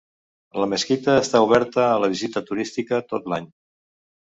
La mesquita està oberta a la visita turística tot l'any.